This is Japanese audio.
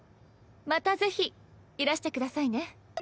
またぜひいらしてくださいね。